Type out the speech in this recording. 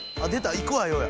「いくわよ」や！